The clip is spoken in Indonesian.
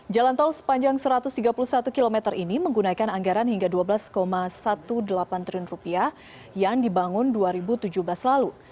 jalan tol sepanjang satu ratus tiga puluh satu km ini menggunakan anggaran hingga rp dua belas delapan belas triliun yang dibangun dua ribu tujuh belas lalu